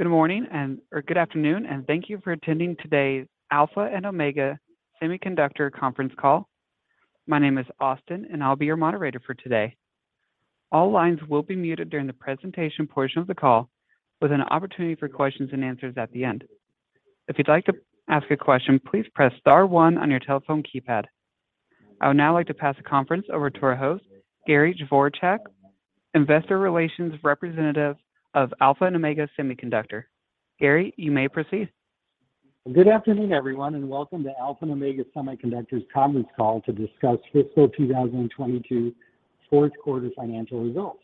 Good morning or good afternoon, and thank you for attending today's Alpha and Omega Semiconductor conference call. My name is Austin, and I'll be your moderator for today. All lines will be muted during the presentation portion of the call, with an opportunity for questions and answers at the end. If you'd like to ask a question, please press star one on your telephone keypad. I would now like to pass the conference over to our host, Gary Dvorchak, Investor Relations Representative of Alpha and Omega Semiconductor. Gary, you may proceed. Good afternoon, everyone, and welcome to Alpha and Omega Semiconductor's conference call to discuss fiscal 2022 fourth quarter financial results.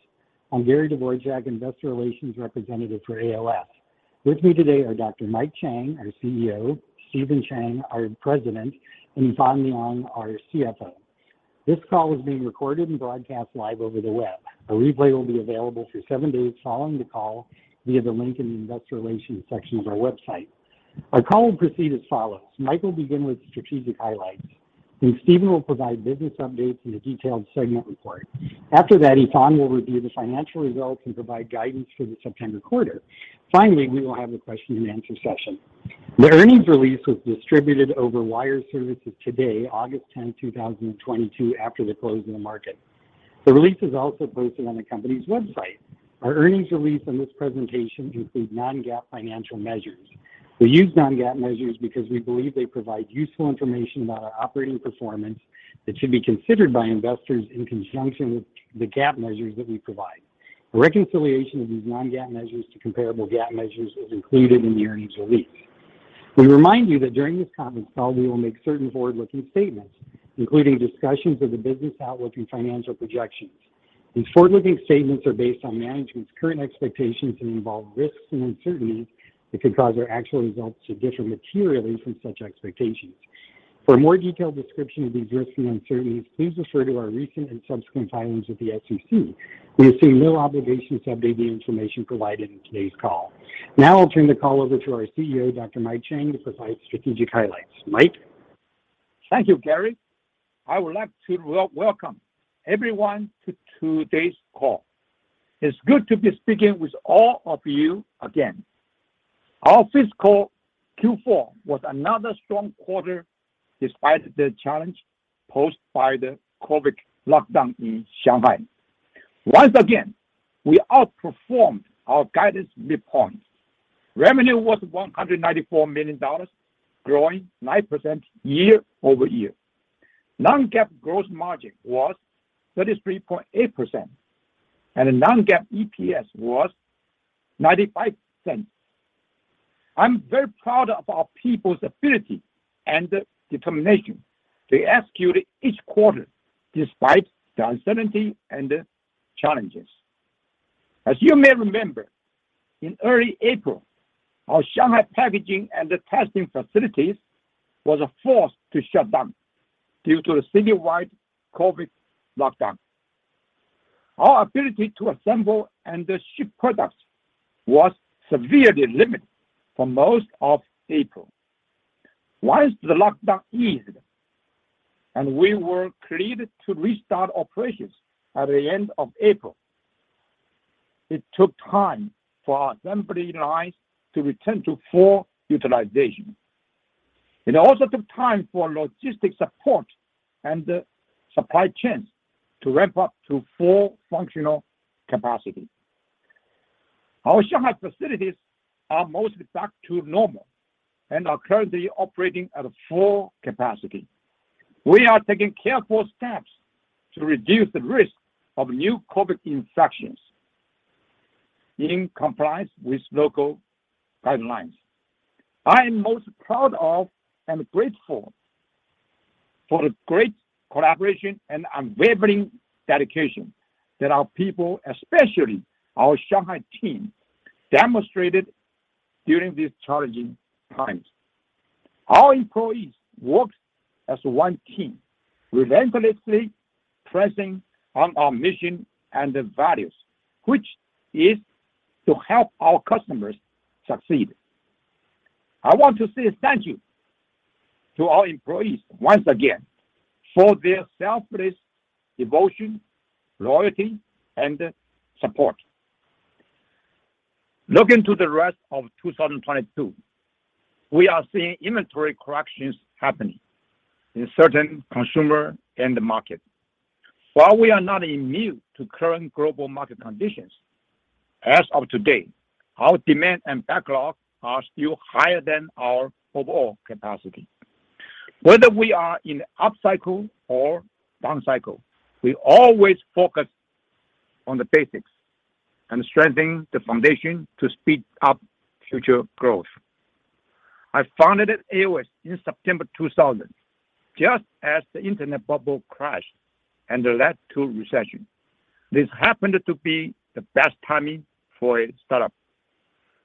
I'm Gary Dvorchak, Investor Relations Representative for AOS. With me today are Dr. Mike Chang, our CEO, Stephen Chang, our President, and Yifan Liang, our CFO. This call is being recorded and broadcast live over the web. A replay will be available for seven days following the call via the link in the investor relations section of our website. Our call will proceed as follows. Mike will begin with strategic highlights, then Stephen will provide business updates and a detailed segment report. After that, Yifan will review the financial results and provide guidance for the September quarter. Finally, we will have a question and answer session. The earnings release was distributed over wire services today, August 10, 2022, after the close of the market. The release is also posted on the company's website. Our earnings release and this presentation include non-GAAP financial measures. We use non-GAAP measures because we believe they provide useful information about our operating performance that should be considered by investors in conjunction with the GAAP measures that we provide. A reconciliation of these non-GAAP measures to comparable GAAP measures is included in the earnings release. We remind you that during this conference call, we will make certain forward-looking statements, including discussions of the business outlook and financial projections. These forward-looking statements are based on management's current expectations and involve risks and uncertainties that could cause our actual results to differ materially from such expectations. For a more detailed description of these risks and uncertainties, please refer to our recent and subsequent filings with the SEC. We assume no obligation to update the information provided in today's call. Now I'll turn the call over to our CEO, Dr. Mike Chang, to provide strategic highlights. Mike? Thank you, Gary. I would like to welcome everyone to today's call. It's good to be speaking with all of you again. Our fiscal Q4 was another strong quarter despite the challenge posed by the COVID lockdown in Shanghai. Once again, we outperformed our guidance midpoint. Revenue was $194 million, growing 9% year-over-year. Non-GAAP gross margin was 33.8%, and the non-GAAP EPS was $0.95. I'm very proud of our people's ability and determination to execute each quarter despite the uncertainty and challenges. As you may remember, in early April, our Shanghai packaging and testing facilities was forced to shut down due to a citywide COVID lockdown. Our ability to assemble and ship products was severely limited for most of April. Once the lockdown eased, and we were cleared to restart operations at the end of April, it took time for our assembly lines to return to full utilization. It also took time for logistic support and supply chains to ramp up to full functional capacity. Our Shanghai facilities are mostly back to normal and are currently operating at full capacity. We are taking careful steps to reduce the risk of new COVID infections in compliance with local guidelines. I am most proud of and grateful for the great collaboration and unwavering dedication that our people, especially our Shanghai team, demonstrated during these challenging times. Our employees worked as one team, relentlessly pressing on our mission and values, which is to help our customers succeed. I want to say thank you to our employees once again for their selfless devotion, loyalty, and support. Looking to the rest of 2022, we are seeing inventory corrections happening in certain consumer end market. While we are not immune to current global market conditions, as of today, our demand and backlog are still higher than our overall capacity. Whether we are in upcycle or downcycle, we always focus on the basics and strengthen the foundation to speed up future growth. I founded AOS in September 2000, just as the internet bubble crashed and led to recession. This happened to be the best timing for a startup.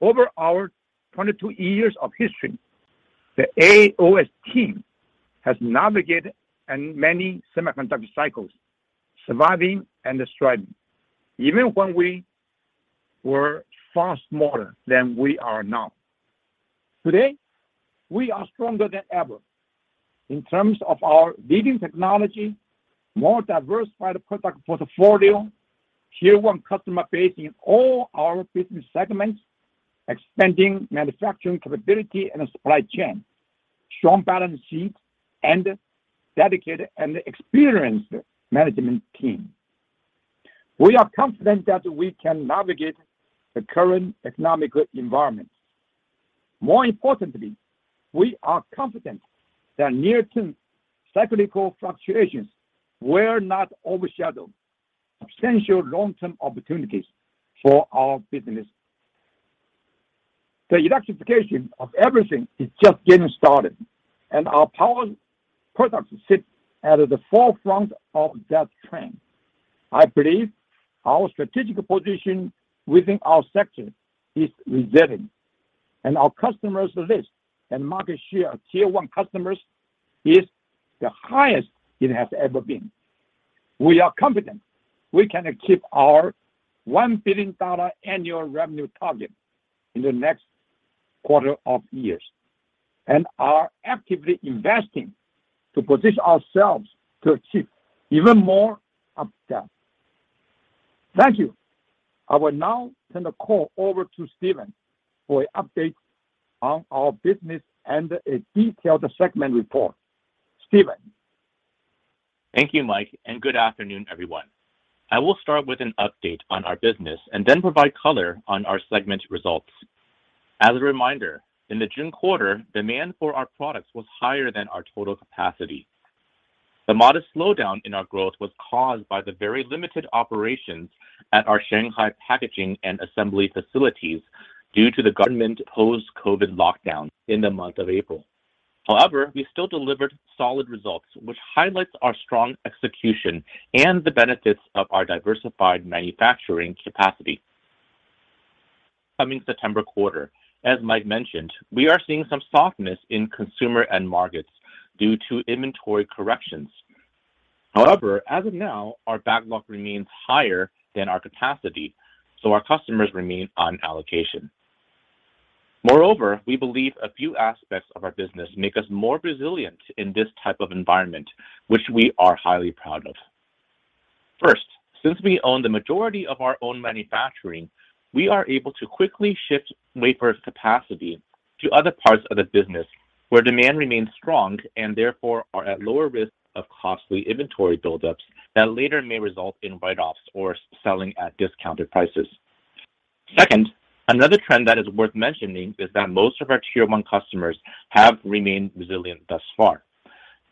Over our 22 years of history, the AOS team has navigated many semiconductor cycles, surviving and thriving, even when we were far smaller than we are now. Today, we are stronger than ever in terms of our leading technology, more diversified product portfolio, Tier 1 customer base in all our business segments, expanding manufacturing capability and supply chain, strong balance sheet, and dedicated and experienced management team. We are confident that we can navigate the current economic environment. More importantly, we are confident that near-term cyclical fluctuations will not overshadow substantial long-term opportunities for our business. The electrification of everything is just getting started, and our power products sit at the forefront of that trend. I believe our strategic position within our sector is resilient, and our customers list and market share, Tier 1 customers, is the highest it has ever been. We are confident we can keep our $1 billion annual revenue target in the next couple of years and are actively investing to position ourselves to achieve even more than that. Thank you. I will now turn the call over to Stephen for an update on our business and a detailed segment report. Stephen. Thank you, Mike, and good afternoon, everyone. I will start with an update on our business and then provide color on our segment results. As a reminder, in the June quarter, demand for our products was higher than our total capacity. The modest slowdown in our growth was caused by the very limited operations at our Shanghai packaging and assembly facilities due to the government-imposed COVID lockdowns in the month of April. However, we still delivered solid results, which highlights our strong execution and the benefits of our diversified manufacturing capacity. Coming September quarter, as Mike mentioned, we are seeing some softness in consumer end markets due to inventory corrections. However, as of now, our backlog remains higher than our capacity, so our customers remain on allocation. Moreover, we believe a few aspects of our business make us more resilient in this type of environment, which we are highly proud of. First, since we own the majority of our own manufacturing, we are able to quickly shift wafer capacity to other parts of the business where demand remains strong and therefore are at lower risk of costly inventory buildups that later may result in write-offs or selling at discounted prices. Second, another trend that is worth mentioning is that most of our Tier 1 customers have remained resilient thus far.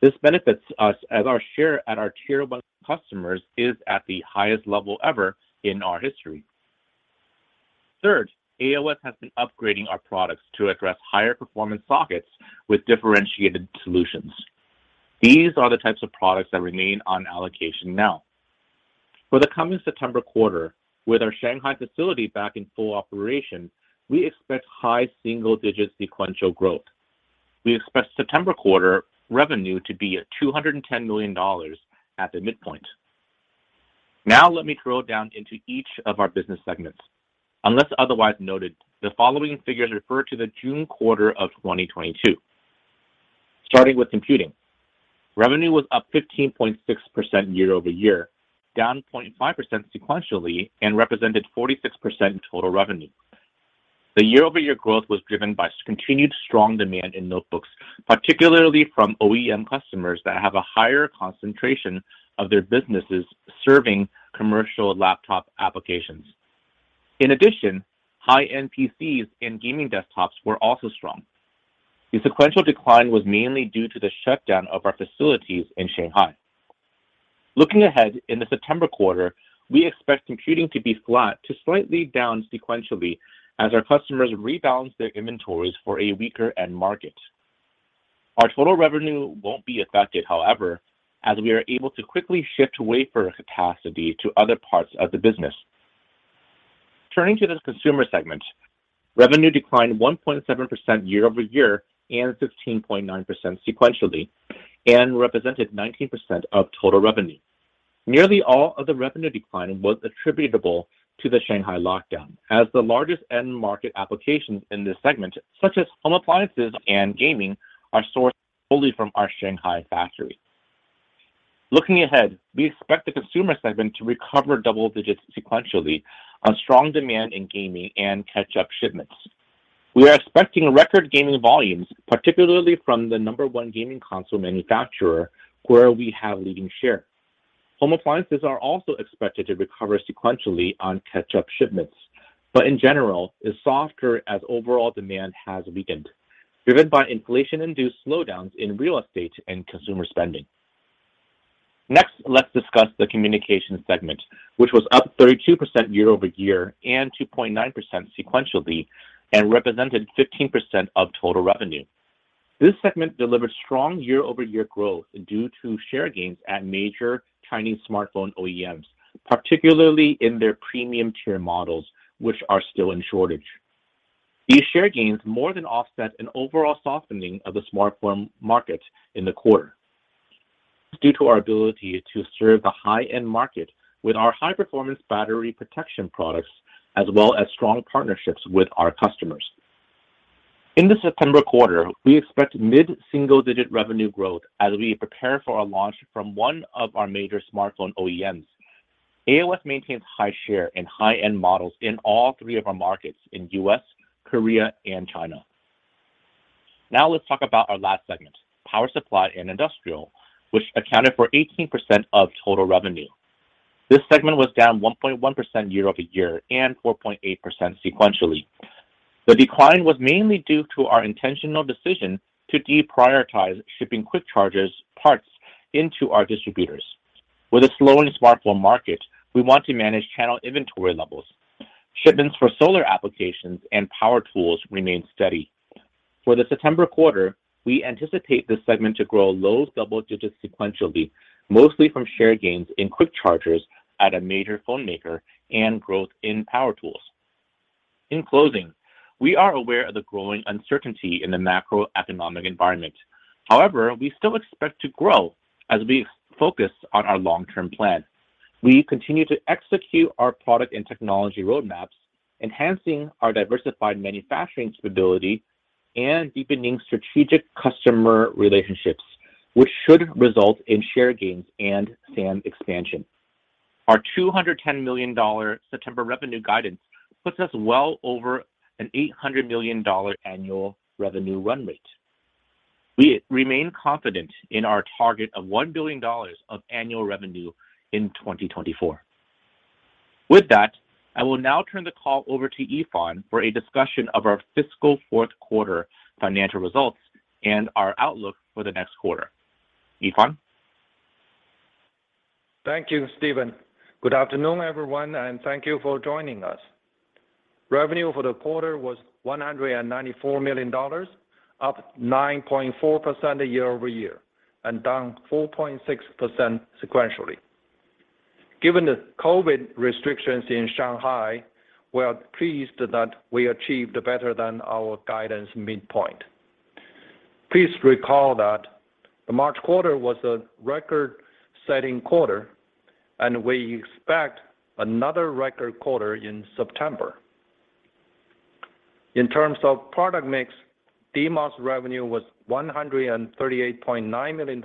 This benefits us as our share at our Tier 1 customers is at the highest level ever in our history. Third, AOS has been upgrading our products to address higher performance sockets with differentiated solutions. These are the types of products that remain on allocation now. For the coming September quarter, with our Shanghai facility back in full operation, we expect high single-digit sequential growth. We expect September quarter revenue to be at $210 million at the midpoint. Now let me drill down into each of our business segments. Unless otherwise noted, the following figures refer to the June quarter of 2022. Starting with computing. Revenue was up 15.6% year-over-year, down 0.5% sequentially, and represented 46% in total revenue. The year-over-year growth was driven by continued strong demand in notebooks, particularly from OEM customers that have a higher concentration of their businesses serving commercial laptop applications. In addition, high-end PCs and gaming desktops were also strong. The sequential decline was mainly due to the shutdown of our facilities in Shanghai. Looking ahead, in the September quarter, we expect computing to be flat to slightly down sequentially as our customers rebalance their inventories for a weaker end market. Our total revenue won't be affected, however, as we are able to quickly shift wafer capacity to other parts of the business. Turning to the consumer segment, revenue declined 1.7% year-over-year and 15.9% sequentially, and represented 19% of total revenue. Nearly all of the revenue decline was attributable to the Shanghai lockdown as the largest end market applications in this segment, such as home appliances and gaming, are sourced fully from our Shanghai factory. Looking ahead, we expect the consumer segment to recover double digits sequentially on strong demand in gaming and catch-up shipments. We are expecting record gaming volumes, particularly from the number-one gaming console manufacturer, where we have leading share. Home appliances are also expected to recover sequentially on catch-up shipments, but in general, is softer as overall demand has weakened, driven by inflation-induced slowdowns in real estate and consumer spending. Next, let's discuss the communication segment, which was up 32% year-over-year and 2.9% sequentially, and represented 15% of total revenue. This segment delivered strong year-over-year growth due to share gains at major Chinese smartphone OEMs, particularly in their premium tier models, which are still in shortage. These share gains more than offset an overall softening of the smartphone market in the quarter. Due to our ability to serve the high-end market with our high-performance battery protection products, as well as strong partnerships with our customers. In the September quarter, we expect mid-single-digit revenue growth as we prepare for our launch from one of our major smartphone OEMs. AOS maintains high share in high-end models in all three of our markets in U.S., Korea, and China. Now let's talk about our last segment, power supply and industrial, which accounted for 18% of total revenue. This segment was down 1.1% year-over-year and 4.8% sequentially. The decline was mainly due to our intentional decision to deprioritize shipping quick chargers parts into our distributors. With a slowing smartphone market, we want to manage channel inventory levels. Shipments for solar applications and power tools remain steady. For the September quarter, we anticipate this segment to grow low double digits sequentially, mostly from share gains in quick chargers at a major phone maker and growth in power tools. In closing, we are aware of the growing uncertainty in the macroeconomic environment. However, we still expect to grow as we focus on our long-term plan. We continue to execute our product and technology roadmaps, enhancing our diversified manufacturing stability and deepening strategic customer relationships, which should result in share gains and SAM expansion. Our $210 million September revenue guidance puts us well over an $800 million annual revenue run rate. We remain confident in our target of $1 billion of annual revenue in 2024. With that, I will now turn the call over to Yifan for a discussion of our fiscal fourth quarter financial results and our outlook for the next quarter. Yifan? Thank you, Stephen. Good afternoon, everyone, and thank you for joining us. Revenue for the quarter was $194 million, up 9.4% year-over-year and down 4.6% sequentially. Given the COVID restrictions in Shanghai, we are pleased that we achieved better than our guidance midpoint. Please recall that the March quarter was a record-setting quarter, and we expect another record quarter in September. In terms of product mix, DMOS revenue was $138.9 million,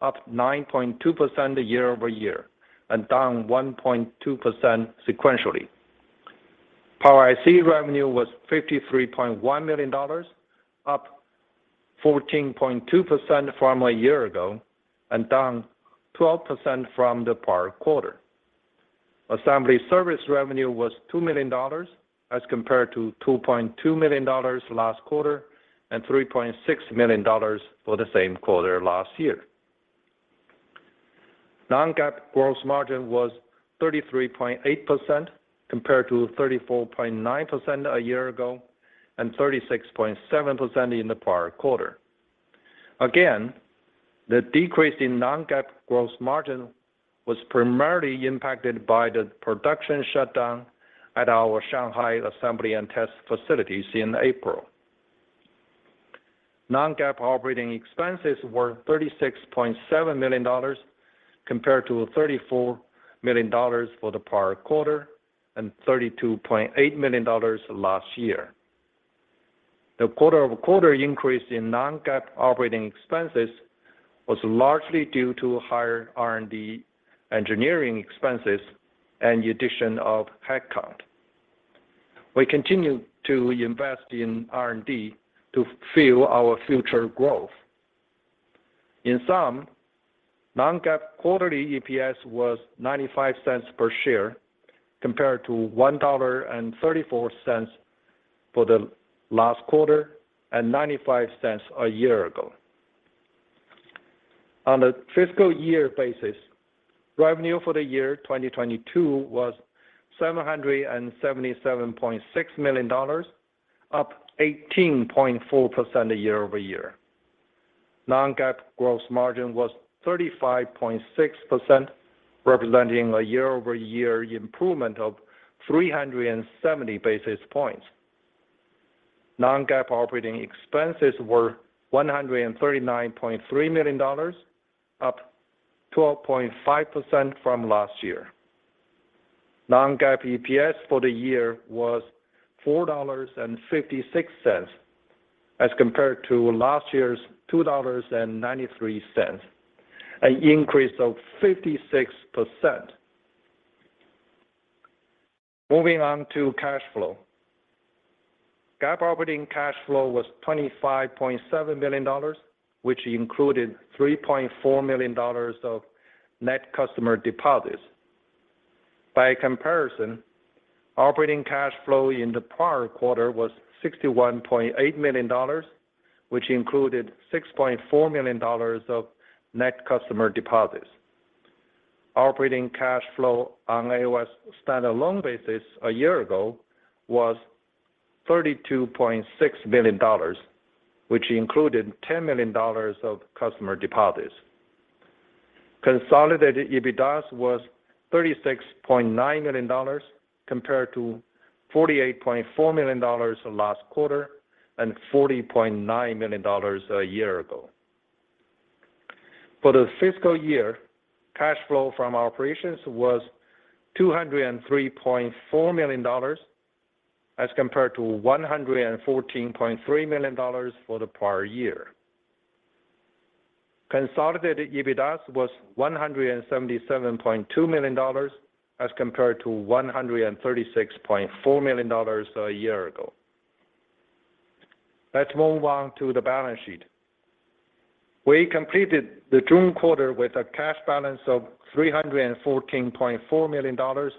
up 9.2% year-over-year and down 1.2% sequentially. Power IC revenue was $53.1 million, up 14.2% from a year ago and down 12% from the prior quarter. Assembly service revenue was $2 million as compared to $2.2 million last quarter and $3.6 million for the same quarter last year. Non-GAAP gross margin was 33.8% compared to 34.9% a year ago and 36.7% in the prior quarter. Again, the decrease in non-GAAP gross margin was primarily impacted by the production shutdown at our Shanghai assembly and test facilities in April. Non-GAAP operating expenses were $36.7 million compared to $34 million for the prior quarter and $32.8 million last year. The quarter-over-quarter increase in non-GAAP operating expenses was largely due to higher R&D engineering expenses and the addition of headcount. We continue to invest in R&D to fuel our future growth. In sum, non-GAAP quarterly EPS was $0.95 per share compared to $1.34 for the last quarter and $0.95 a year ago. On a fiscal year basis, revenue for the year 2022 was $777.6 million, up 18.4% year-over-year. Non-GAAP gross margin was 35.6%, representing a year-over-year improvement of 370 basis points. Non-GAAP operating expenses were $139.3 million, up 12.5% from last year. Non-GAAP EPS for the year was $4.56 as compared to last year's $2.93, an increase of 56%. Moving on to cash flow. GAAP operating cash flow was $25.7 million, which included $3.4 million of net customer deposits. By comparison, operating cash flow in the prior quarter was $61.8 million, which included $6.4 million of net customer deposits. Operating cash flow on AOS standalone basis a year ago was $32.6 million, which included $10 million of customer deposits. Consolidated EBITDA was $36.9 million compared to $48.4 million last quarter and $40.9 million a year ago. For the fiscal year, cash flow from our operations was $203.4 million as compared to $114.3 million for the prior year. Consolidated EBITDA was $177.2 million as compared to $136.4 million a year ago. Let's move on to the balance sheet. We completed the June quarter with a cash balance of $314.4 million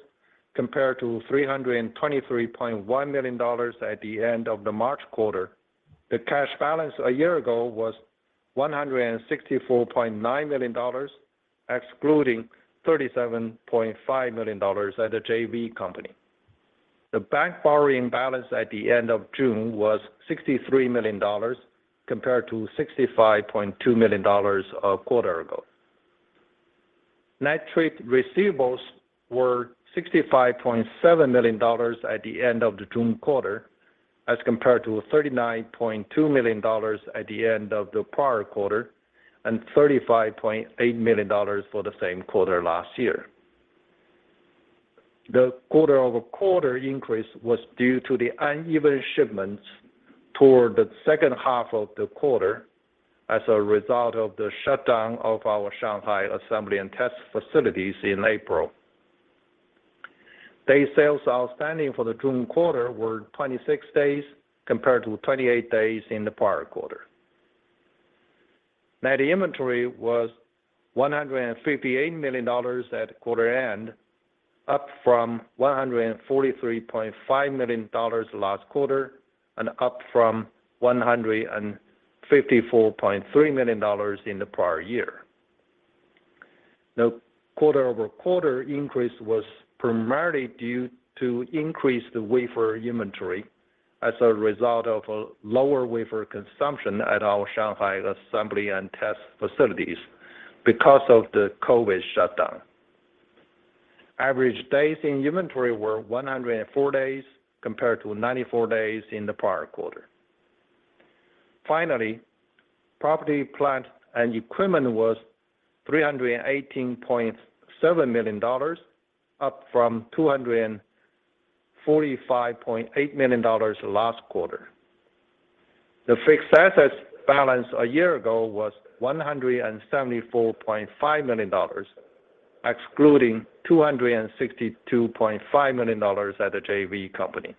compared to $323.1 million at the end of the March quarter. The cash balance a year ago was $164.9 million, excluding $37.5 million at the JV company. The bank borrowing balance at the end of June was $63 million compared to $65.2 million a quarter ago. Net trade receivables were $65.7 million at the end of the June quarter as compared to $39.2 million at the end of the prior quarter and $35.8 million for the same quarter last year. The quarter-over-quarter increase was due to the uneven shipments toward the second half of the quarter as a result of the shutdown of our Shanghai assembly and test facilities in April. Days Sales Outstanding for the June quarter were 26 days compared to 28 days in the prior quarter. Net inventory was $158 million at quarter end, up from $143.5 million last quarter and up from $154.3 million in the prior year. The quarter-over-quarter increase was primarily due to increased wafer inventory as a result of lower wafer consumption at our Shanghai assembly and test facilities because of the COVID shutdown. Average days in inventory were 104 days compared to 94 days in the prior quarter. Finally, property, plant, and equipment was $318.7 million, up from $245.8 million last quarter. The fixed assets balance a year ago was $174.5 million, excluding $262.5 million at the JV company.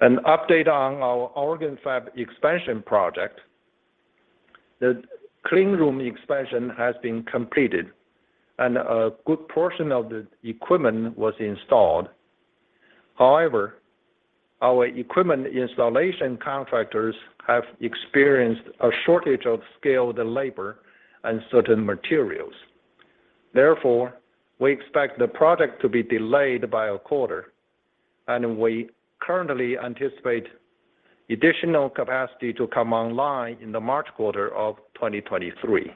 An update on our Oregon fab expansion project. The clean room expansion has been completed, and a good portion of the equipment was installed. However, our equipment installation contractors have experienced a shortage of skilled labor and certain materials. Therefore, we expect the project to be delayed by a quarter, and we currently anticipate additional capacity to come online in the March quarter of 2023.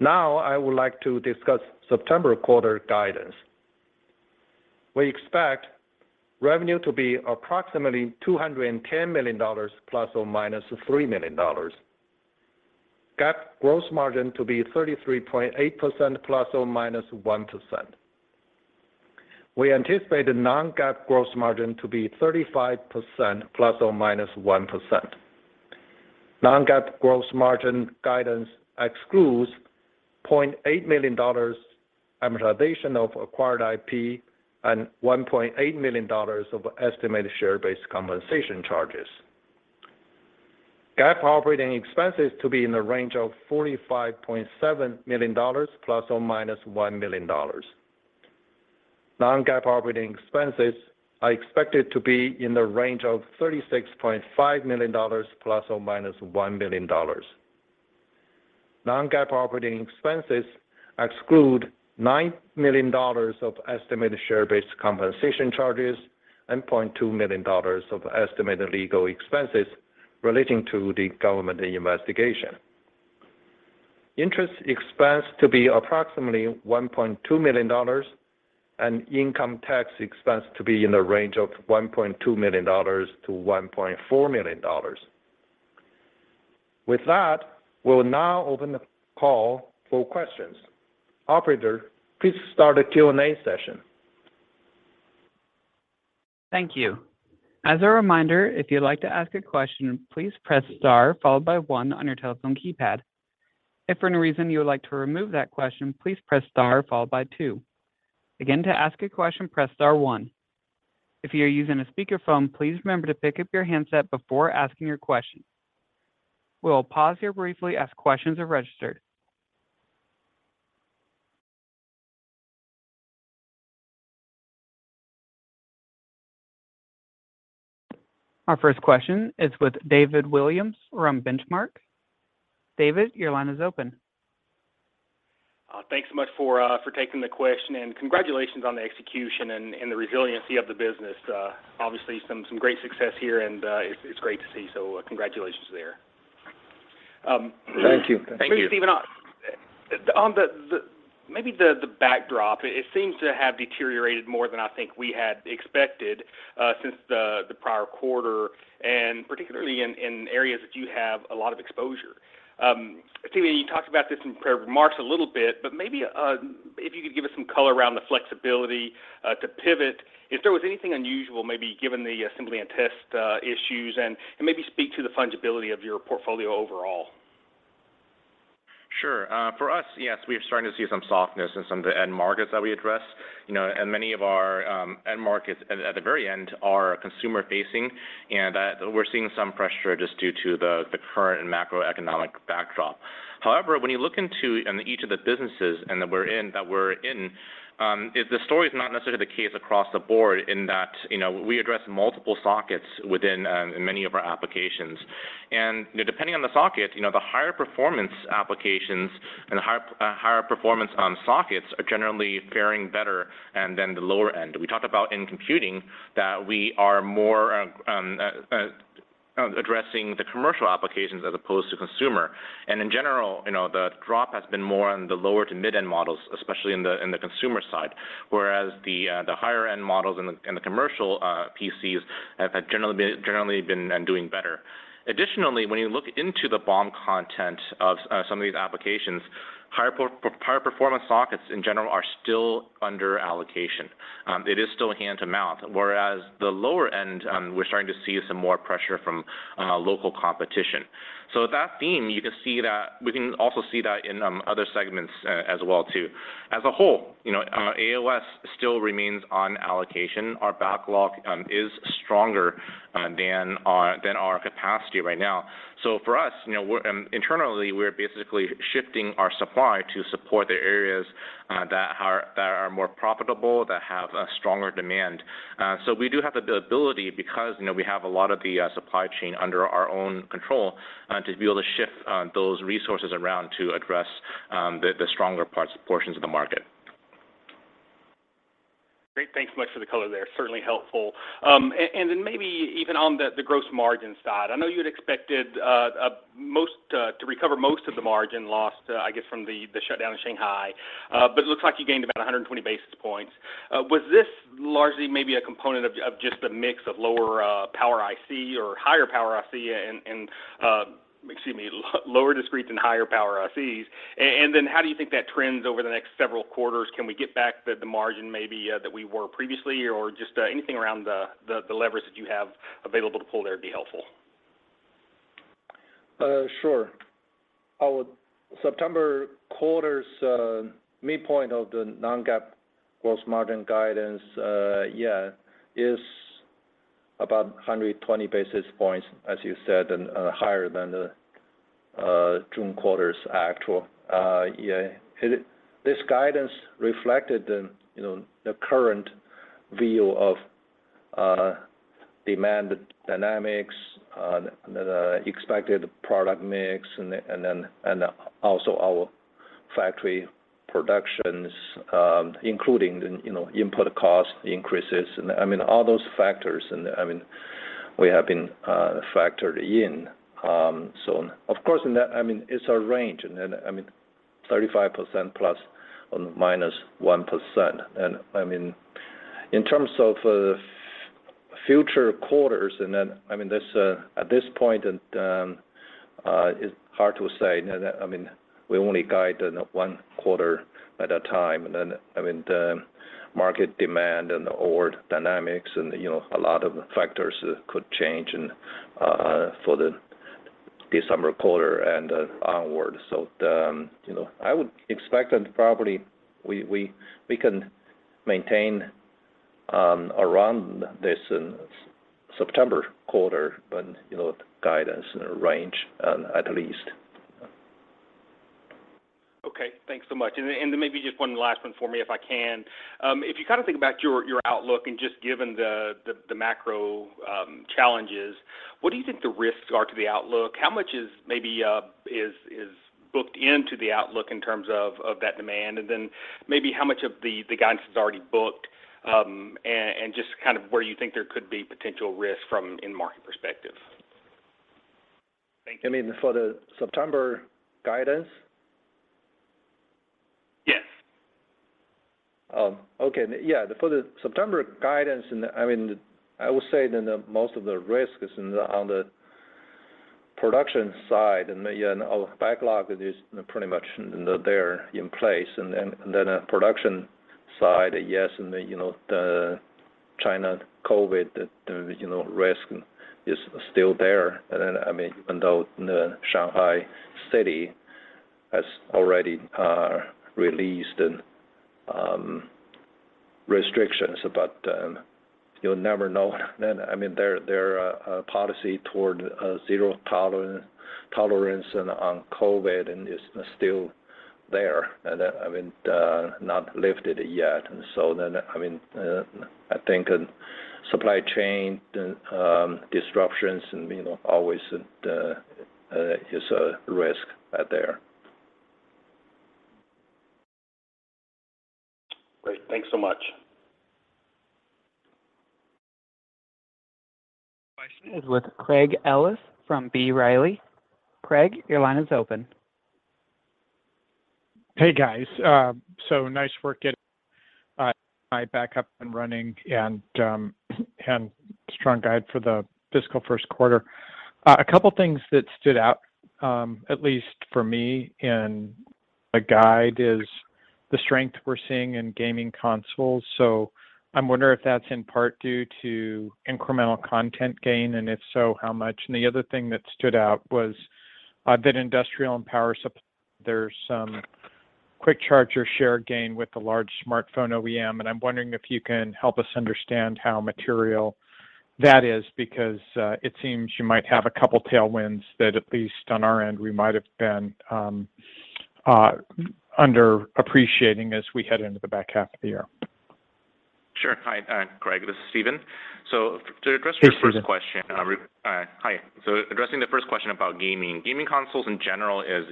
Now I would like to discuss September quarter guidance. We expect revenue to be approximately $210 million ±$3 million. GAAP gross margin to be 33.8% ±1%. We anticipate the non-GAAP gross margin to be 35% ±1%. Non-GAAP gross margin guidance excludes $0.8 million amortization of acquired IP and $1.8 million of estimated share-based compensation charges. GAAP operating expenses to be in the range of $45.7 million ±$1 million. Non-GAAP operating expenses are expected to be in the range of $36.5 million ±$1 million. Non-GAAP operating expenses exclude $9 million of estimated share-based compensation charges and $0.2 million of estimated legal expenses relating to the government investigation. Interest expense to be approximately $1.2 million and income tax expense to be in the range of $1.2 million-$1.4 million. With that, we'll now open the call for questions. Operator, please start the Q&A session. Thank you. As a reminder, if you'd like to ask a question, please press star followed by one on your telephone keypad. If for any reason you would like to remove that question, please press star followed by two. Again, to ask a question, press star one. If you are using a speakerphone, please remember to pick up your handset before asking your question. We'll pause here briefly as questions are registered. Our first question is with David Williams from Benchmark. David, your line is open. Thanks so much for taking the question, and congratulations on the execution and the resiliency of the business. Obviously some great success here and it's great to see. Congratulations there. Thank you. Thank you. Stephen, on the backdrop, it seems to have deteriorated more than I think we had expected, since the prior quarter, and particularly in areas that you have a lot of exposure. Stephen, you talked about this in prepared remarks a little bit, but maybe if you could give us some color around the flexibility to pivot if there was anything unusual, maybe given the assembly and test issues and maybe speak to the fungibility of your portfolio overall. Sure. For us, yes, we are starting to see some softness in some of the end markets that we address. You know, many of our end markets at the very end are consumer facing, and that we're seeing some pressure just due to the current macroeconomic backdrop. However, when you look into each of the businesses that we're in, the story is not necessarily the case across the board in that, you know, we address multiple sockets within many of our applications. You know, depending on the socket, you know, the higher performance applications and higher performance sockets are generally faring better than the lower end. We talked about in computing that we are more addressing the commercial applications as opposed to consumer. In general, you know, the drop has been more on the lower to mid-end models, especially in the consumer side, whereas the higher end models and the commercial PCs have generally been doing better. Additionally, when you look into the BOM content of some of these applications, higher performance sockets in general are still under allocation. It is still hand to mouth, whereas the lower end, we're starting to see some more pressure from local competition. That theme, you can see that. We can also see that in other segments as well too. As a whole, you know, AOS still remains on allocation. Our backlog is stronger than our capacity right now. For us, you know, we're basically shifting our supply to support the areas that are more profitable, that have a stronger demand. We do have the ability because, you know, we have a lot of the supply chain under our own control to be able to shift those resources around to address the stronger portions of the market. Great. Thanks so much for the color there. Certainly helpful. And then maybe even on the gross margin side, I know you'd expected to recover most of the margin lost, I guess from the shutdown of Shanghai, but it looks like you gained about 120 basis points. Was this largely maybe a component of just the mix of lower Power IC or higher Power IC and lower discrete and higher Power ICs? How do you think that trends over the next several quarters? Can we get back the margin maybe that we were previously or just anything around the leverage that you have available to pull there would be helpful. Sure. Our September quarter's midpoint of the non-GAAP gross margin guidance, yeah, is about 120 basis points, as you said, and higher than the June quarter's actual. Yeah. This guidance reflected the, you know, the current view of demand dynamics, the expected product mix and also our factory productions, including the, you know, input cost increases. I mean, all those factors and, I mean, we have been factored in. Of course in that, I mean, it's our range and, I mean, 35% ± 1%. I mean, in terms of future quarters, and then, I mean, this at this point and it's hard to say. I mean, we only guide the one quarter at a time, and then, I mean, the market demand and the old dynamics and, you know, a lot of factors could change and, for the December quarter and, onward. You know, I would expect that probably we can maintain around this September quarter and, you know, guidance range at least. Okay. Thanks so much. Maybe just one last one for me, if I can. If you kind of think about your outlook and just given the macro challenges, what do you think the risks are to the outlook? How much is maybe booked into the outlook in terms of that demand? Maybe how much of the guidance is already booked, and just kind of where you think there could be potential risk from a market perspective. Thank you. You mean for the September guidance? Yes. Okay. Yeah, for the September guidance, I mean, I would say that most of the risk is on the production side, and you know, our backlog is pretty much in place. At the production side, yes, and you know, the China COVID risk is still there. I mean, even though the Shanghai city has already released restrictions, you'll never know. I mean, their policy toward a zero tolerance on COVID is still there. I mean, I think supply chain disruptions and, you know, always is a risk out there. Great. Thanks so much. Question is with Craig Ellis from B. Riley. Craig, your line is open. Hey, guys. Nice work getting my backup and running and strong guide for the fiscal first quarter. A couple things that stood out, at least for me in the guide is the strength we're seeing in gaming consoles. I'm wondering if that's in part due to incremental content gain, and if so, how much? The other thing that stood out was that industrial and power supply, there's some quick charger share gain with the large smartphone OEM, and I'm wondering if you can help us understand how material that is because it seems you might have a couple tailwinds that at least on our end we might have been under appreciating as we head into the back half of the year. Sure. Hi, Craig. This is Stephen. To address- Hey, Stephen. Your first question. Addressing the first question about gaming. Gaming consoles in general is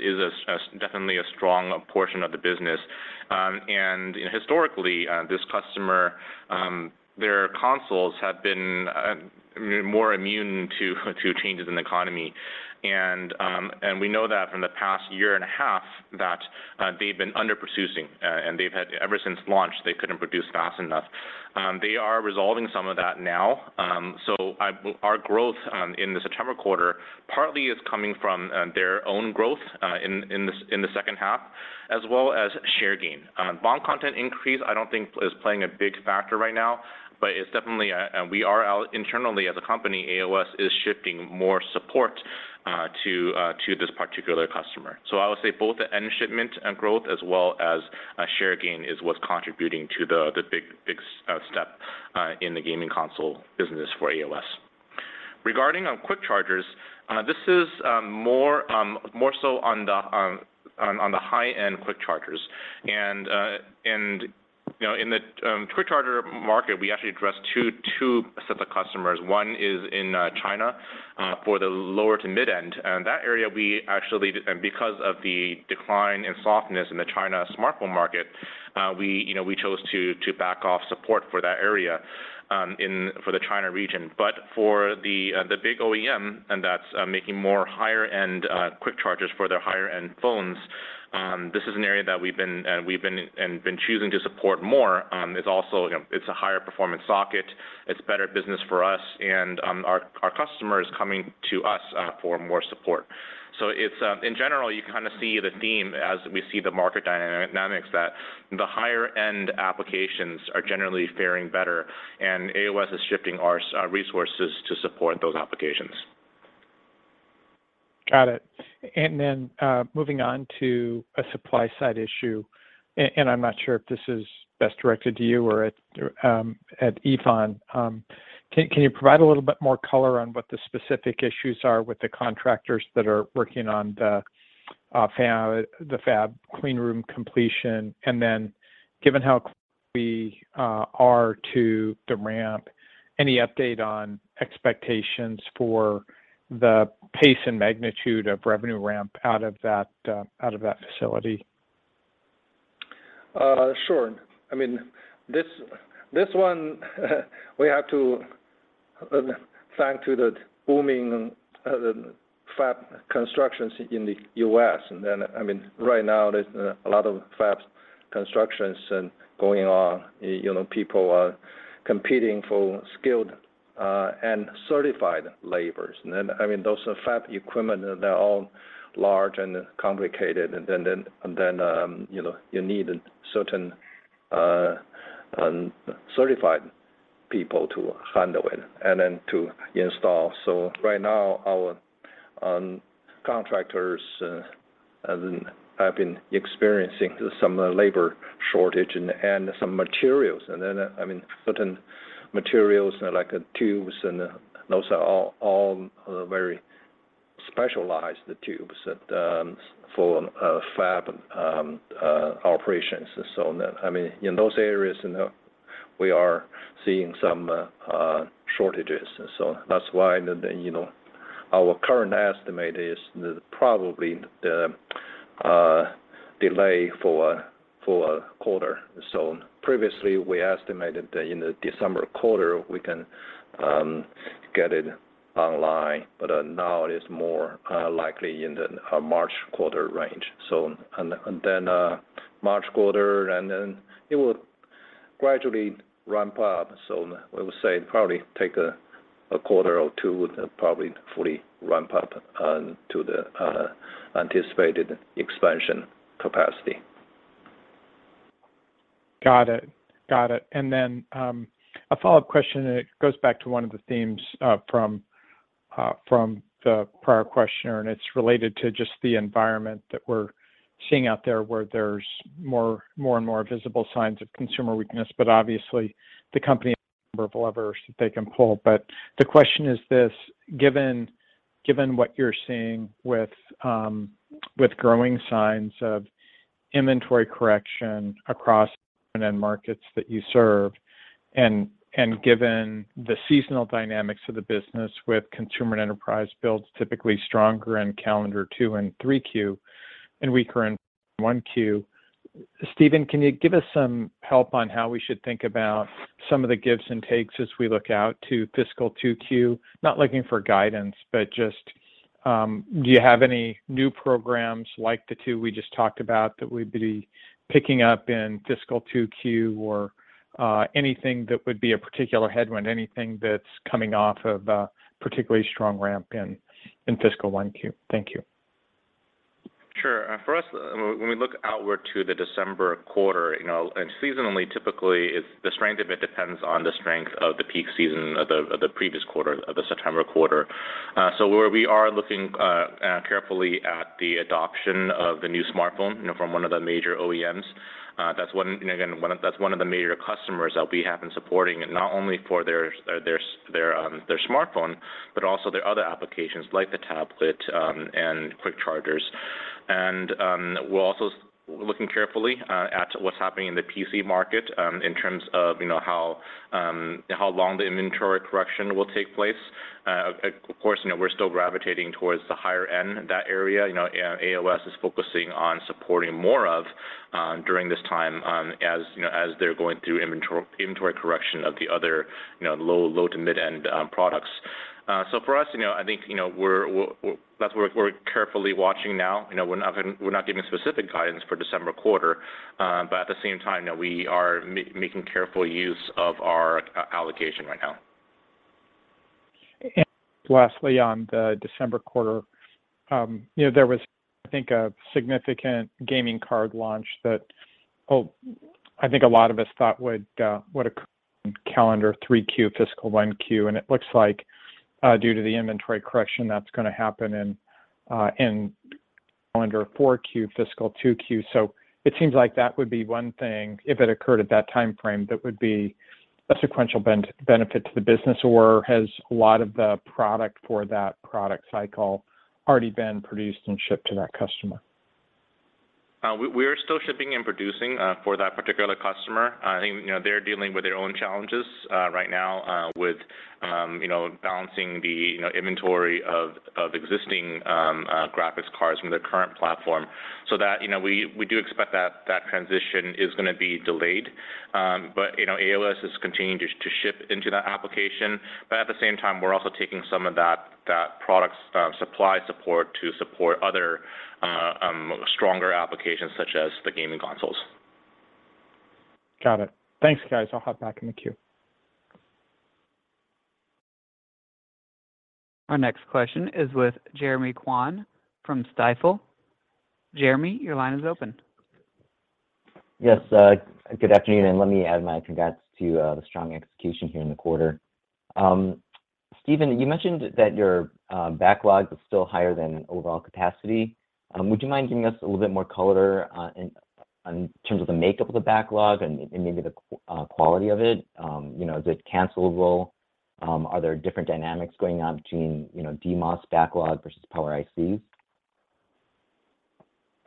definitely a strong portion of the business. Historically, this customer, their consoles have been more immune to changes in economy. We know that from the past year and a half that they've been under-producing, and they've had ever since launch, they couldn't produce fast enough. They are resolving some of that now. Our growth in the September quarter partly is coming from their own growth in the second half, as well as share gain. BOM content increase, I don't think is playing a big factor right now, but it's definitely. We are out internally as a company. AOS is shifting more support to this particular customer. I would say both the end shipment and growth as well as a share gain is what's contributing to the big step in the gaming console business for AOS. Regarding quick chargers, this is more so on the high-end quick chargers. You know, in the quick charger market, we actually address two sets of customers. One is in China for the lower- to mid-end. That area, because of the decline and softness in the China smartphone market, we, you know, chose to back off support for that area in the China region. For the big OEM that's making more higher-end quick chargers for their higher-end phones, this is an area that we've been choosing to support more. It's also a higher performance socket, it's better business for us and our customers coming to us for more support. It's in general, you kinda see the theme as we see the market dynamics, that the higher-end applications are generally faring better, and AOS is shifting our resources to support those applications. Got it. Moving on to a supply side issue, and I'm not sure if this is best directed to you or at Yifan. Can you provide a little bit more color on what the specific issues are with the contractors that are working on the fab clean room completion? Given how close we are to the ramp, any update on expectations for the pace and magnitude of revenue ramp out of that facility? Sure. I mean, this one we have to thank to the booming fab constructions in the U.S. I mean, right now there's a lot of fab constructions going on. You know, people are competing for skilled and certified labors. I mean, those are fab equipment, they're all large and complicated. You know, you need certain certified people to handle it and then to install. Right now, our contractors have been experiencing some labor shortage and some materials. I mean, certain materials like tubes and those are all very specialized tubes that for fab operations. I mean, in those areas, you know, we are seeing some shortages. That's why, you know, our current estimate is probably the delay for a quarter. Previously, we estimated that in the December quarter we can get it online, but now it is more likely in the March quarter range. And then, March quarter, and then it will gradually ramp up. We would say it probably take a quarter or two to probably fully ramp up to the anticipated expansion capacity. Got it. A follow-up question, it goes back to one of the themes from the prior questioner, it's related to just the environment that we're seeing out there, where there's more and more visible signs of consumer weakness, but obviously the company, given what you're seeing with growing signs of inventory correction across end markets that you serve, and given the seasonal dynamics of the business with consumer and enterprise builds typically stronger in calendar Q2 and Q3, and weaker in 1Q, Stephen, can you give us some help on how we should think about some of the gives and takes as we look out to fiscal 2Q? Not looking for guidance, but just, do you have any new programs like the two we just talked about that we'd be picking up in fiscal 2Q, or, anything that would be a particular headwind, anything that's coming off of a particularly strong ramp in fiscal 1Q? Thank you. Sure. For us, when we look outward to the December quarter, you know, and seasonally, typically, it's the strength of it depends on the strength of the peak season of the previous quarter of the September quarter. Where we are looking carefully at the adoption of the new smartphone, you know, from one of the major OEMs, that's one of the major customers that we have been supporting, and not only for their smartphone, but also their other applications like the tablet and quick chargers. We're also looking carefully at what's happening in the PC market, in terms of, you know, how long the inventory correction will take place. Of course, you know, we're still gravitating towards the higher end, that area, you know, AOS is focusing on supporting more of during this time, as you know, as they're going through inventory correction of the other, you know, low to mid-end products. For us, you know, I think, you know, that's what we're carefully watching now. You know, we're not giving specific guidance for December quarter, but at the same time, you know, we are making careful use of our allocation right now. Lastly, on the December quarter, you know, there was I think a significant graphics card launch that, I think a lot of us thought would occur in calendar 3Q, fiscal 1Q. It looks like, due to the inventory correction, that's gonna happen in calendar 4Q, fiscal 2Q. It seems like that would be one thing, if it occurred at that timeframe, that would be a sequential benefit to the business. Has a lot of the product for that product cycle already been produced and shipped to that customer? We are still shipping and producing for that particular customer. You know, they're dealing with their own challenges right now with you know, balancing the you know, inventory of existing graphics cards from their current platform. You know, we do expect that transition is gonna be delayed. You know, AOS is continuing to ship into that application. At the same time, we're also taking some of that product supply support to support other stronger applications such as the gaming consoles. Got it. Thanks, guys. I'll hop back in the queue. Our next question is with Jeremy Kwan from Stifel. Jeremy, your line is open. Yes. Good afternoon, and let me add my congrats to the strong execution here in the quarter. Stephen, you mentioned that your backlog was still higher than overall capacity. Would you mind giving us a little bit more color in terms of the makeup of the backlog and maybe the quality of it? You know, is it cancelable? Are there different dynamics going on between, you know, DMOS backlog versus Power ICs?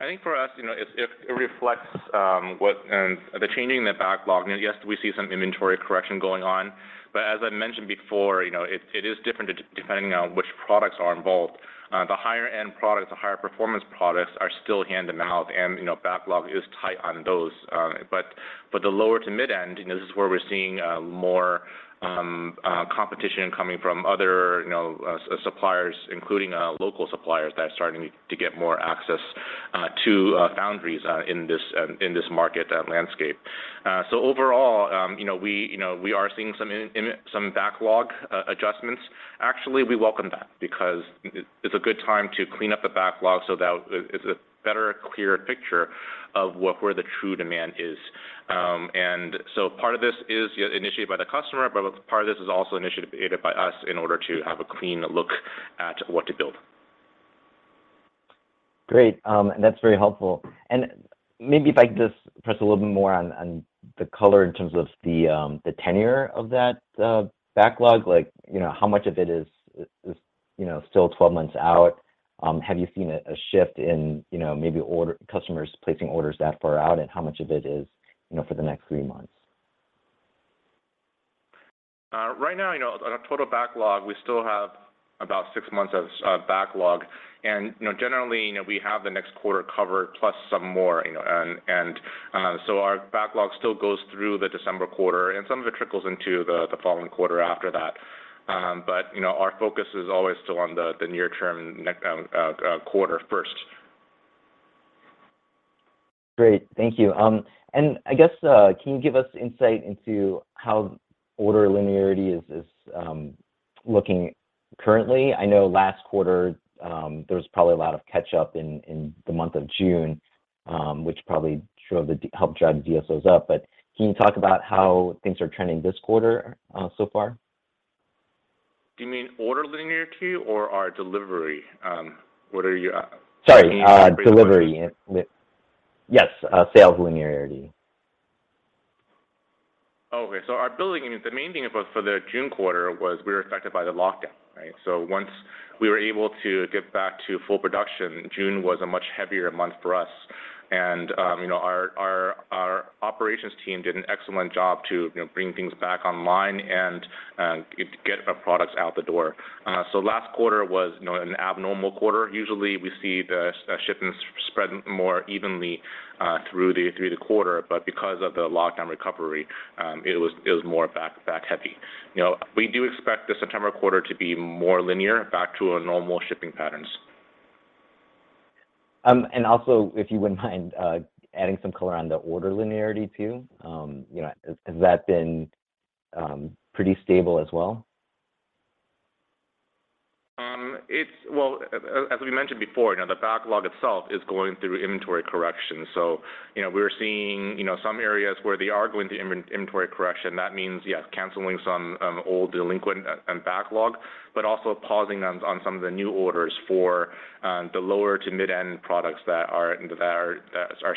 I think for us, you know, it reflects the changing in the backlog, and yes, we see some inventory correction going on. As I mentioned before, you know, it is different depending on which products are involved. The higher end products, the higher performance products are still hand-to-mouth and, you know, backlog is tight on those. The lower to mid-end, you know, this is where we're seeing more competition coming from other suppliers, including local suppliers that are starting to get more access to foundries in this market landscape. Overall, you know, we, you know, we are seeing some backlog adjustments. Actually, we welcome that because it's a good time to clean up the backlog so that it's a better, clear picture of where the true demand is. Part of this is, yeah, initiated by the customer, but part of this is also initiated by us in order to have a clean look at what to build. Great. That's very helpful. Maybe if I could just press a little bit more on the color in terms of the tenure of that backlog, like, you know, how much of it is, you know, still 12 months out? Have you seen a shift in, you know, maybe ordering customers placing orders that far out, and how much of it is, you know, for the next three months? Right now, you know, on our total backlog, we still have about six months of backlog and, you know, generally, you know, we have the next quarter covered plus some more, you know. Our backlog still goes through the December quarter, and some of it trickles into the following quarter after that. You know, our focus is always still on the near term quarter first. Great. Thank you. I guess, can you give us insight into how order linearity is looking currently? I know last quarter, there was probably a lot of catch up in the month of June, which probably helped drive the DSOs up. Can you talk about how things are trending this quarter, so far? Do you mean order linearity or our delivery? What are you? Sorry, delivery. Yes, sales linearity. Okay, our billing, I mean, the main thing about for the June quarter was we were affected by the lockdown, right? Once we were able to get back to full production, June was a much heavier month for us. You know, our operations team did an excellent job to, you know, bring things back online and get our products out the door. Last quarter was, you know, an abnormal quarter. Usually, we see the shipments spread more evenly through the quarter. Because of the lockdown recovery, it was more back heavy. You know, we do expect the September quarter to be more linear, back to our normal shipping patterns. Also, if you wouldn't mind adding some color on the order linearity too. You know, has that been pretty stable as well? Well, as we mentioned before, you know, the backlog itself is going through inventory correction. You know, we're seeing, you know, some areas where they are going through inventory correction. That means, yes, canceling some old delinquent and backlog, but also pausing on some of the new orders for the lower to mid-end products that are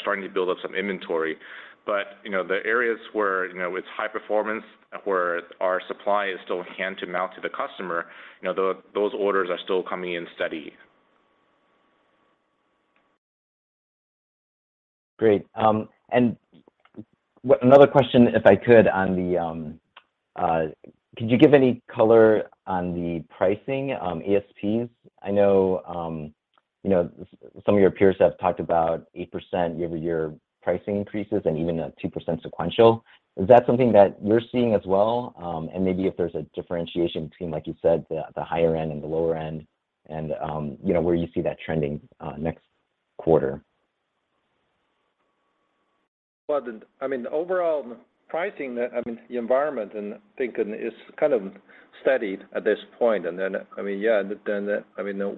starting to build up some inventory. You know, the areas where, you know, it's high performance, where our supply is still hand to mouth to the customer, you know, those orders are still coming in steady. Great. Another question, if I could you give any color on the pricing, ASPs? I know, you know, some of your peers have talked about 8% year-over-year pricing increases and even a 2% sequential. Is that something that you're seeing as well? Maybe if there's a differentiation between, like you said, the higher end and the lower end and, you know, where you see that trending, next quarter? Well, I mean, the overall pricing environment and thinking is kind of steady at this point. I mean, yeah, then, I mean,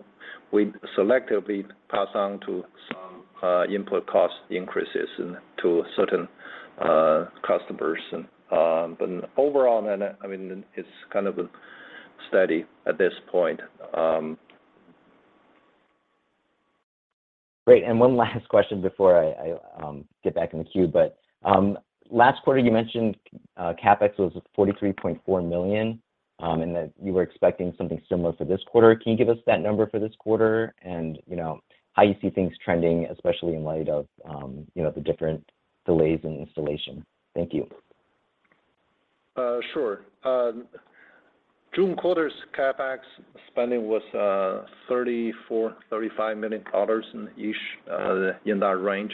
we selectively pass on some input cost increases to certain customers. Overall, then, I mean, it's kind of steady at this point. Great. One last question before I get back in the queue. Last quarter you mentioned CapEx was $43.4 million, and that you were expecting something similar for this quarter. Can you give us that number for this quarter and, you know, how you see things trending, especially in light of you know, the different delays in installation? Thank you. Sure. June quarter's CapEx spending was $34 million-$35 million in the range.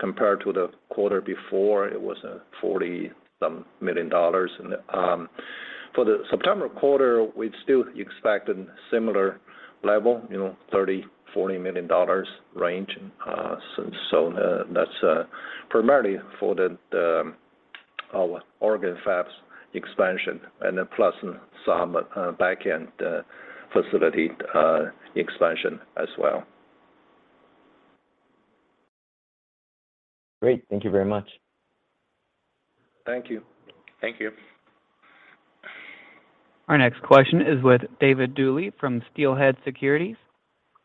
Compared to the quarter before, it was $40-some million. For the September quarter, we'd still expect a similar level, you know, $30 million-$40 million range. That's primarily for our Oregon fabs expansion and then plus some backend facility expansion as well. Great. Thank you very much. Thank you. Thank you. Our next question is with David Duley from Steelhead Securities.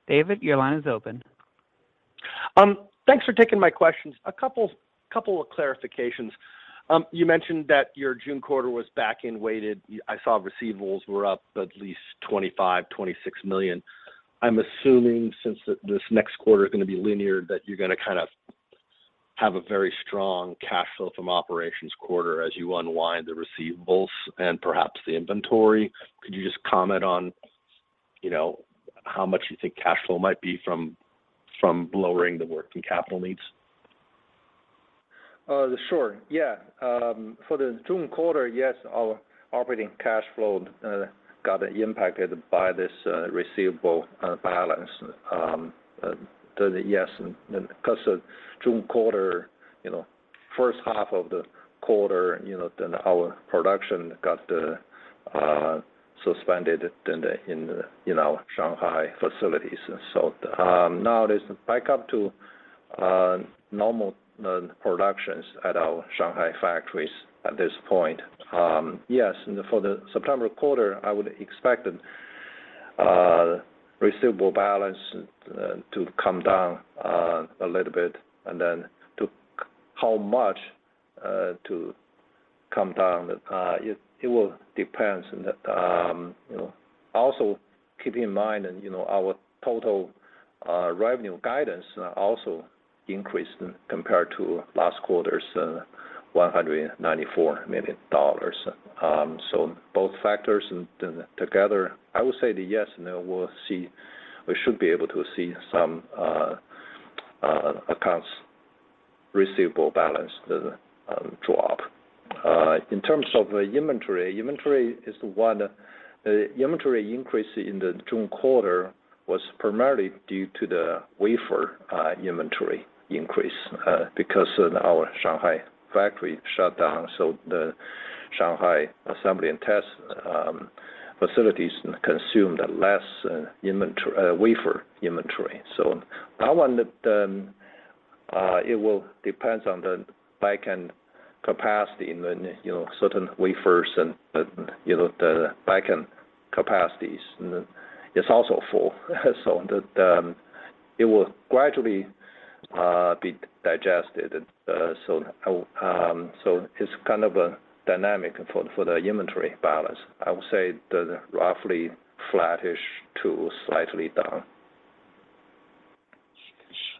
David, your line is open. Thanks for taking my questions. A couple of clarifications. You mentioned that your June quarter was back-end weighted. I saw receivables were up at least $25 million-$26 million. I'm assuming since this next quarter is gonna be linear, that you're gonna kind of have a very strong cash flow from operations quarter as you unwind the receivables and perhaps the inventory. Could you just comment on, you know, how much you think cash flow might be from lowering the working capital needs? Sure. Yeah. For the June quarter, yes, our operating cash flow got impacted by this receivable balance. Because June quarter, you know, first half of the quarter, you know, then our production got suspended in the Shanghai facilities. Now it is back up to normal productions at our Shanghai factories at this point. Yes, and for the September quarter, I would expect receivable balance to come down a little bit. Also keep in mind, you know, our total revenue guidance also increased compared to last quarter's $194 million. Both factors together, I would say that yes, we'll see some accounts receivable balance drop. In terms of inventory is one. The inventory increase in the June quarter was primarily due to the wafer inventory increase because of our Shanghai factory shut down. The Shanghai assembly and test facilities consumed less wafer inventory. That one, it will depends on the backend capacity and then, you know, certain wafers and, you know, the backend capacities. It's also full so it will gradually be digested. It's kind of a dynamic for the inventory balance. I would say roughly flattish to slightly down.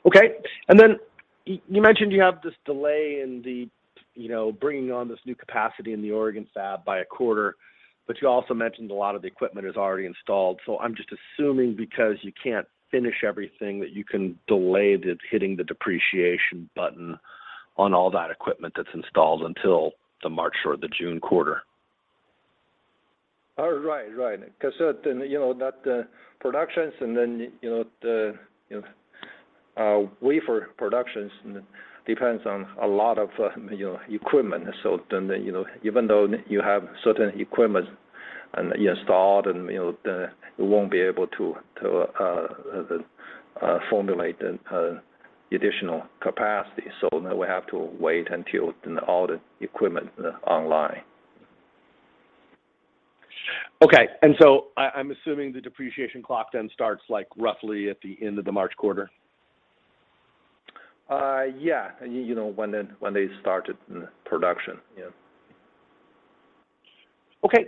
Okay. You mentioned you have this delay in the, you know, bringing on this new capacity in the Oregon fab by a quarter, but you also mentioned a lot of the equipment is already installed. I'm just assuming because you can't finish everything, that you can delay the hitting the depreciation button on all that equipment that's installed until the March or the June quarter? Oh, right. Right. 'Cause then you know that production and then you know our wafer production depends on a lot of you know equipment. You know, even though you have certain equipment installed and you know we won't be able to to formulate an additional capacity, so now we have to wait until then all the equipment online. Okay. I'm assuming the depreciation clock then starts, like, roughly at the end of the March quarter? Yeah. You know, when they started production. Yeah. Okay.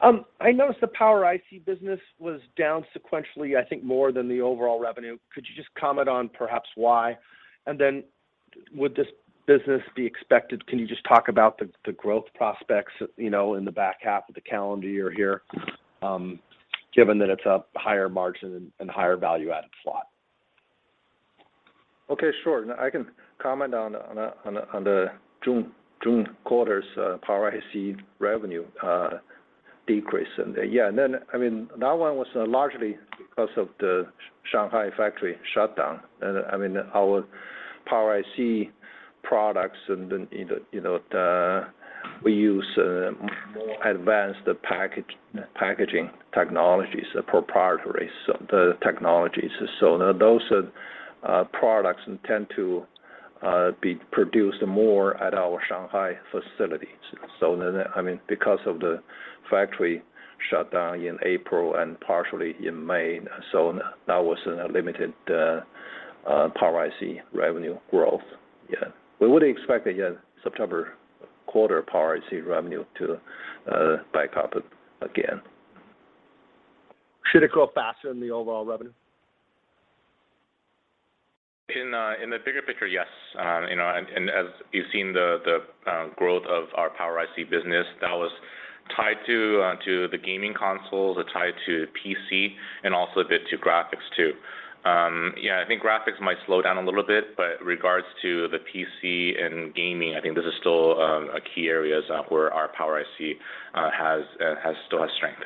I noticed the Power IC business was down sequentially, I think, more than the overall revenue. Could you just comment on perhaps why? Can you just talk about the growth prospects, you know, in the back half of the calendar year here, given that it's a higher margin and higher value-added slot? Okay, sure. Now I can comment on the June quarter's Power IC revenue decrease. Yeah, and then, I mean, that one was largely because of the Shanghai factory shutdown. I mean, our Power IC products and then in the, you know, the. We use more advanced packaging technologies, proprietary, so the technologies. Now those products tend to be produced more at our Shanghai facilities. I mean, because of the factory shutdown in April and partially in May, so that was a limited Power IC revenue growth. Yeah. We would expect the September quarter Power IC revenue to back up again. Should it grow faster than the overall revenue? In the bigger picture, yes. You know, as you've seen the growth of our Power IC business, that was tied to the gaming consoles, tied to PC, and also a bit to graphics too. Yeah, I think graphics might slow down a little bit, but regards to the PC and gaming, I think this is still a key areas where our Power IC still has strength.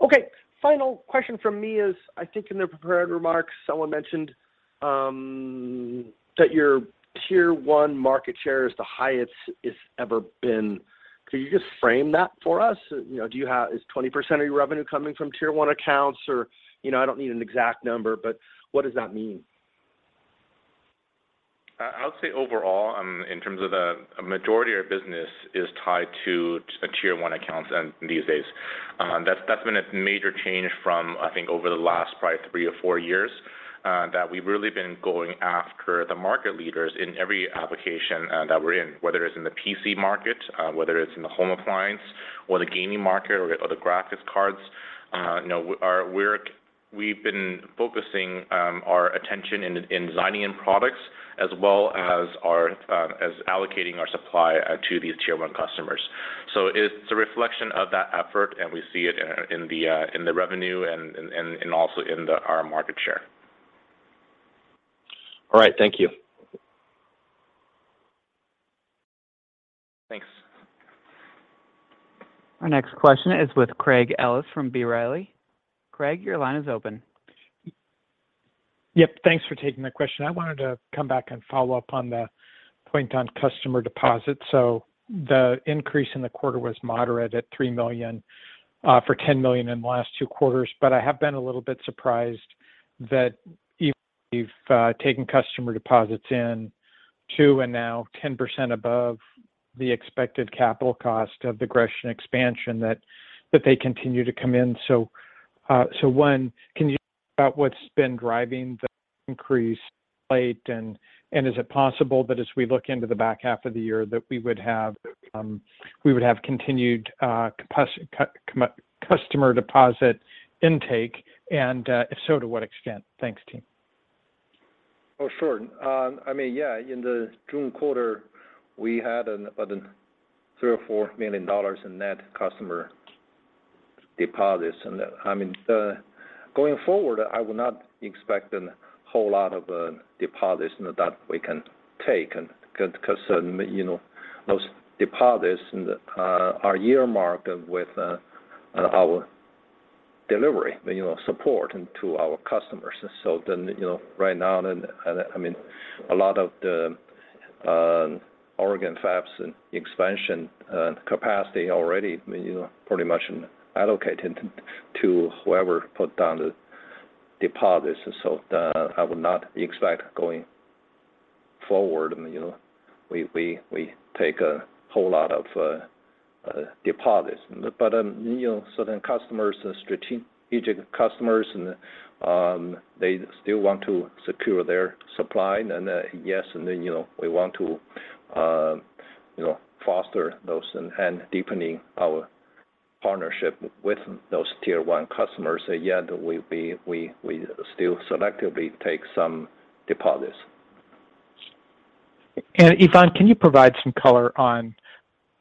Okay. Final question from me is, I think in the prepared remarks, someone mentioned that your Tier 1 market share is the highest it's ever been. Could you just frame that for us? You know, is 20% of your revenue coming from Tier 1 accounts or, you know, I don't need an exact number, but what does that mean? I would say overall, in terms of a majority of business is tied to a Tier 1 accounts and these days. That's been a major change from, I think, over the last probably three or four years that we've really been going after the market leaders in every application that we're in. Whether it's in the PC market, whether it's in the home appliance or the gaming market or the graphics cards. You know, we've been focusing our attention in designing in products as well as allocating our supply to these Tier 1 customers. It's a reflection of that effort, and we see it in the revenue and also in our market share. All right. Thank you. Thanks. Our next question is with Craig Ellis from B. Riley. Craig, your line is open. Yep. Thanks for taking my question. I wanted to come back and follow up on the point on customer deposits. The increase in the quarter was moderate at $3 million for $10 million in the last two quarters. I have been a little bit surprised that you've taken customer deposits in 2% and now 10% above the expected capital cost of the Gresham expansion that they continue to come in. One, can you what's been driving the increase lately and is it possible that as we look into the back half of the year that we would have continued customer deposit intake? If so, to what extent? Thanks, team. Oh, sure. I mean, yeah. In the June quarter, we had $3 million or $4 million in net customer deposits. I mean, going forward, I would not expect a whole lot of deposits that we can take because, you know, those deposits are earmarked with our delivery, you know, support to our customers. You know, right now, I mean, a lot of the Oregon fabs and expansion capacity already, you know, pretty much allocated to whoever put down the deposits. I would not expect going forward, and, you know, we take a whole lot of deposits. You know, so then customers, strategic customers and they still want to secure their supply, and yes, and then, you know, we want to, you know, foster those and deepening our partnership with those Tier 1 customers. So yeah, we still selectively take some deposits. Yifan, can you provide some color on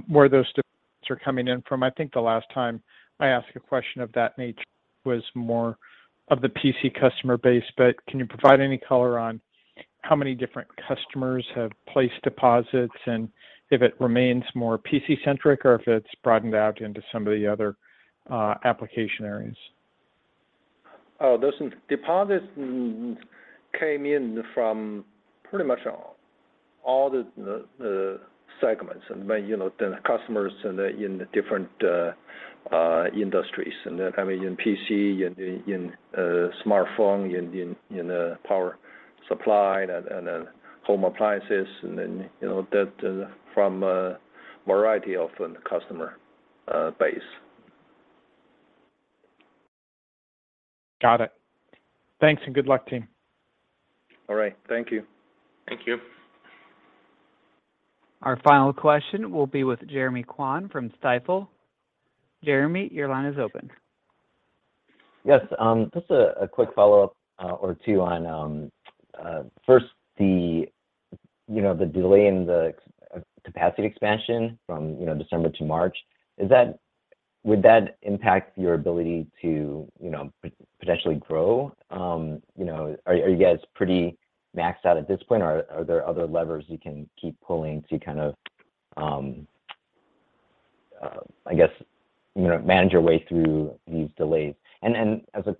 where those deposits are coming in from? I think the last time I asked a question of that nature was more of the PC customer base, but can you provide any color on how many different customers have placed deposits? If it remains more PC-centric or if it's broadened out into some of the other application areas. Oh, those deposits came in from pretty much all the segments. By, you know, the customers and in the different industries. I mean, in PC, in smartphone, in power supply and in home appliances, and then, you know, from a variety of customer base. Got it. Thanks and good luck, team. All right. Thank you. Thank you. Our final question will be with Jeremy Kwan from Stifel. Jeremy, your line is open. Yes. Just a quick follow-up or two on, first, the delay in the capacity expansion from December to March. Is that. Would that impact your ability to potentially grow? You know, are you guys pretty maxed out at this point, or are there other levers you can keep pulling to kind of, I guess, you know, manage your way through these delays? As a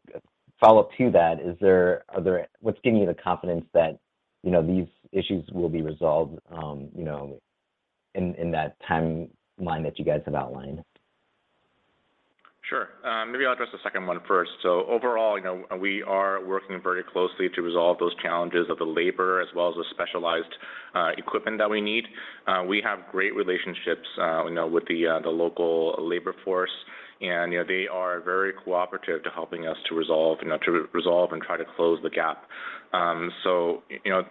follow-up to that, what's giving you the confidence that these issues will be resolved in that timeline that you guys have outlined? Sure. Maybe I'll address the second one first. Overall, you know, we are working very closely to resolve those challenges of the labor as well as the specialized equipment that we need. We have great relationships, you know, with the local labor force, and, you know, they are very cooperative to helping us to resolve and try to close the gap. You know,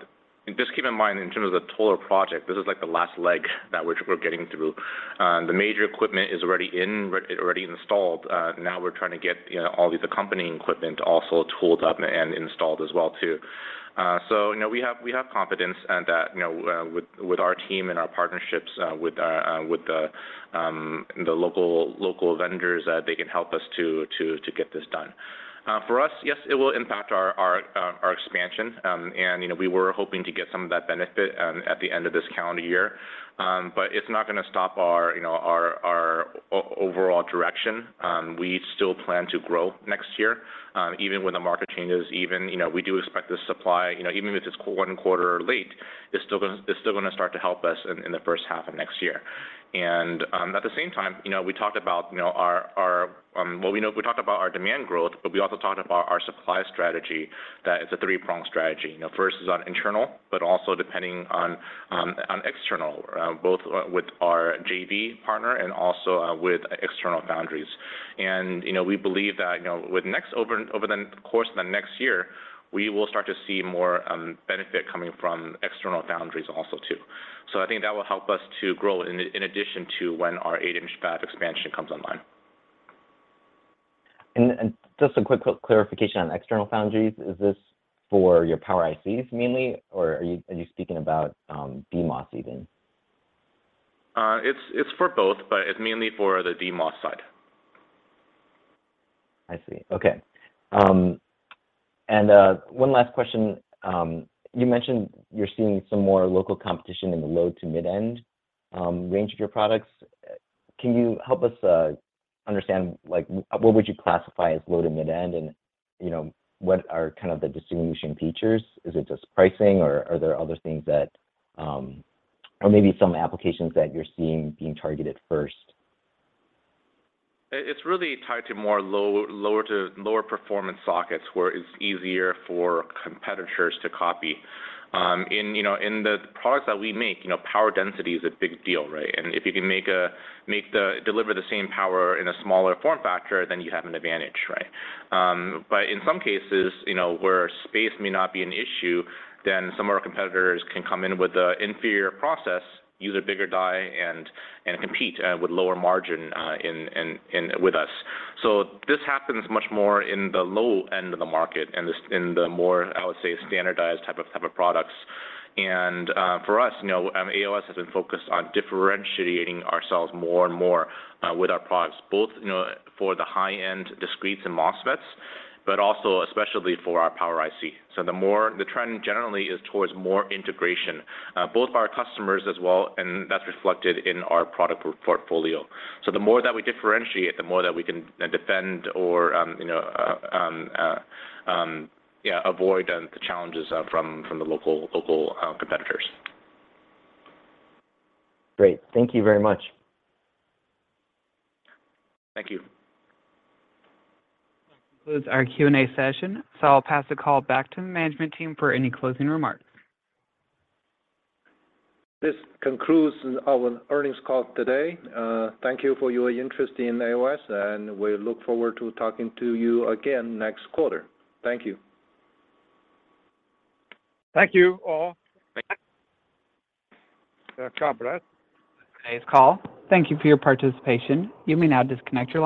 just keep in mind in terms of the total project, this is like the last leg that we're getting through. The major equipment is already in, already installed. Now we're trying to get, you know, all the accompanying equipment also tooled up and installed as well too. You know, we have confidence that, you know, with our team and our partnerships, with the local vendors, they can help us to get this done. For us, yes, it will impact our expansion. You know, we were hoping to get some of that benefit at the end of this calendar year. It's not gonna stop our, you know, our overall direction. We still plan to grow next year, even when the market changes, you know, we do expect the supply, you know, even if it's one quarter late, it's still gonna start to help us in the first half of next year. At the same time, you know, we talked about, you know, our demand growth, but we also talked about our supply strategy, that it's a three-pronged strategy. You know, first is internal, but also depending on external, both with our JV partner and also with external foundries. We believe that, you know, over the course of the next year, we will start to see more benefit coming from external foundries also too. I think that will help us to grow in addition to when our 8-inch wafers expansion comes online. Just a quick clarification on external foundries. Is this for your Power ICs mainly, or are you speaking about DMOS even? It's for both, but it's mainly for the DMOS side. I see. Okay. One last question. You mentioned you're seeing some more local competition in the low to mid-end range of your products. Can you help us understand, like, what would you classify as low to mid-end and, you know, what are kind of the distinguishing features? Is it just pricing or are there other things that, or maybe some applications that you're seeing being targeted first? It's really tied to lower to lower performance sockets where it's easier for competitors to copy. In the products that we make, you know, power density is a big deal, right? If you can deliver the same power in a smaller form factor, then you have an advantage, right? In some cases, you know, where space may not be an issue, then some of our competitors can come in with an inferior process, use a bigger die and compete with lower margin in with us. This happens much more in the low end of the market and in the more, I would say, standardized type of products. For us, you know, AOS has been focused on differentiating ourselves more and more with our products, both, you know, for the high-end discretes and MOSFETs, but also especially for our Power IC. The trend generally is towards more integration, both of our customers as well, and that's reflected in our product portfolio. The more that we differentiate, the more that we can defend or, you know, avoid the challenges from the local competitors. Great. Thank you very much. Thank you. That concludes our Q&A session, so I'll pass the call back to the management team for any closing remarks. This concludes our earnings call today. Thank you for your interest in AOS, and we look forward to talking to you again next quarter. Thank you. Thank you all. Thank you. Good job. Thanks, call. Thank you for your participation. You may now disconnect your lines.